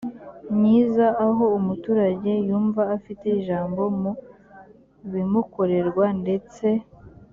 myiza aho umuturage yumva afite ijambo mu bimukorerwa ndetse